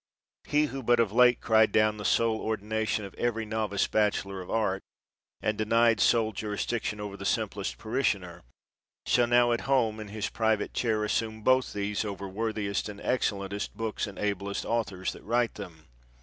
He who but of late cried down the sole ordina tion of every novice bachelor of art, and de nied sole jurisdiction over the simplest parish ioner, shall now at home in his private chair assume both these over worthiest and excellent est books and ablest authors that write them.